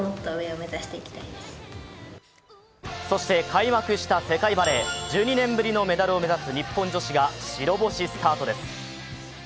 開幕した世界バレー、１２年ぶりのメダルを目指す日本女子が白星スタートです。